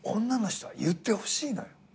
女の人は言ってほしいのよ。